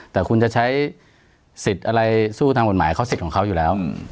แต่คุณจะใช้สิทธิ์อะไรสู้ทางกฎหมายเขาสิทธิ์ของเขาอยู่แล้ว